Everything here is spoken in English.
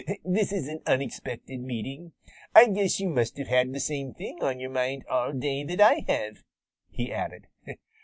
"This is an unexpected meeting. I guess you must have had the same thing on your mind all day that I have," he added.